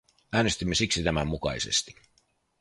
Äänestimme siksi tämän mukaisesti.